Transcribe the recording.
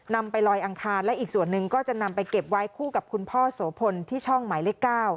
นำไปลอยอังคารและอีกส่วนหนึ่งก็จะนำไปเก็บไว้คู่กับคุณพ่อโสพลที่ช่องหมายเลข๙